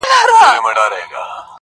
له مخلوقه يې جلا وه رواجونه٫